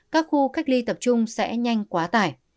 các khu cách ly tập trung sẽ nhanh quá tải